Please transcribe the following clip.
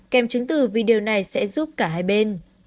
kèm chứng từ vì điều này sẽ giúp cả hai bên